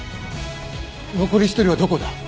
残り１人はどこだ？